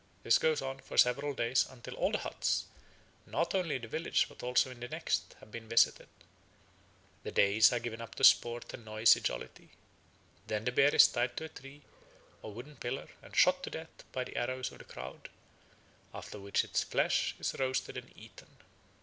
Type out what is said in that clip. This goes on for several days until all the huts, not only in that village but also in the next, have been visited. The days are given up to sport and noisy jollity. Then the bear is tied to a tree or wooden pillar and shot to death by the arrows of the crowd, after which its flesh is roasted and eaten.